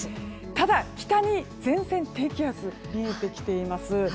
ただ、北に前線、低気圧見えてきています。